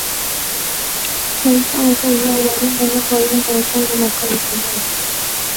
themanini na sita alifanya kazi ya ualimu huko Lindi na tangu mwaka elfu moja